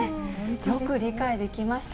よく理解できました。